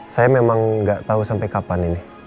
saya memang nggak tahu sampai kapan ini